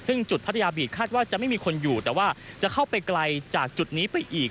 ซึ่งจุดพัทยาบีดคาดว่าจะไม่มีคนอยู่แต่ว่าจะเข้าไปไกลจากจุดนี้ไปอีก